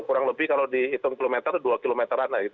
kurang lebih kalau dihitung kilometer dua kilometeran